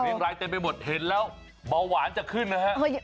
รายเต็มไปหมดเห็นแล้วเบาหวานจะขึ้นนะฮะ